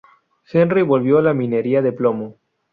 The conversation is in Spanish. Henry volvió a la minería de plomo.